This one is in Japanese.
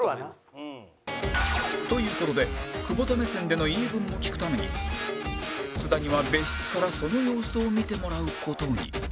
という事で久保田目線での言い分も聞くために津田には別室からその様子を見てもらう事に